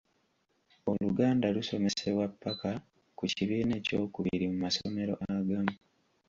Oluganda lusomesebwa ppaka ku kibiina eky'okubiri mu masomero agamu.